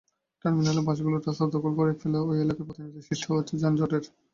টার্মিনালের বাসগুলো রাস্তা দখল করে ফেলায় ওই এলাকায় প্রতিনিয়ত সৃষ্টি হচ্ছে যানজটের।